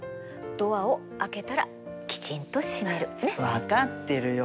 分かってるよ。